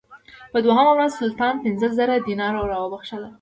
په دوهمه ورځ سلطان پنځه زره دیناره راوبخښل.